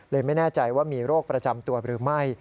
ไม่แน่ใจว่ามีโรคประจำตัวหรือไม่